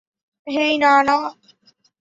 হেই, নানা।